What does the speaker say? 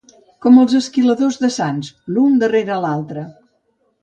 Com els esquiladors de Sants, l'un darrere l'altre.